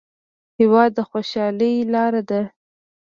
هېواد د خوشحالۍ لار ده.